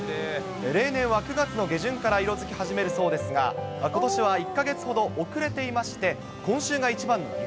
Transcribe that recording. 例年は９月の下旬から色づき始めるそうですが、ことしは１か月ほど遅れていまして、今週が一番の見頃。